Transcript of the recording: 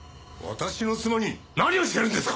私の妻に何をしてるんですか！